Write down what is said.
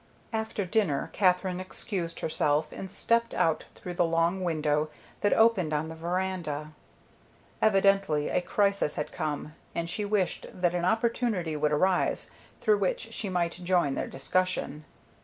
After dinner Katherine excused herself, and stepped out through the long window that opened on the veranda. Evidently a crisis had come, and she wished that an opportunity would arise through which she might join their discussion.